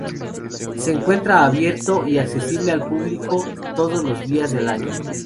Se encuentra abierto y accesible al público todos los días del año.